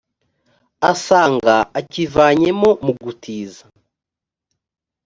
asanga akivanyemo mu gutiza